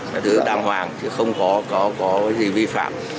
điều đàng hoàng không có gì vi phạm